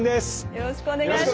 よろしくお願いします。